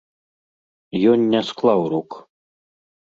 Ён не склаў рук.